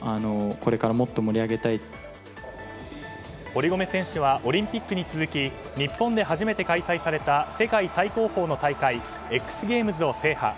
堀米選手はオリンピックに続き日本で初めて開催された世界最高峰の大会ＸＧＡＭＥＳを制覇。